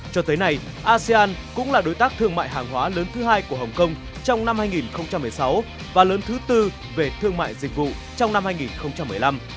cho tới nay asean cũng là đối tác thương mại hàng hóa lớn thứ hai của hồng kông trong năm hai nghìn một mươi sáu và lớn thứ tư về thương mại dịch vụ trong năm hai nghìn một mươi năm